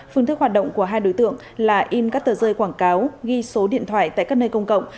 phương thức hoạt động của hai đối tượng là in các tờ rơi quảng cáo ghi số điện thoại tại các nơi công cộng